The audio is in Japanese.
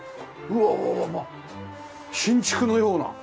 うわ新築のような。